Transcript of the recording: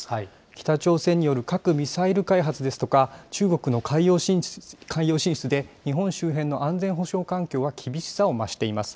北朝鮮による核・ミサイル開発ですとか、中国の海洋進出で日本周辺の安全保障環境は厳しさを増しています。